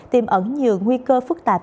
tìm ẩn nhiều nguy cơ phức tạp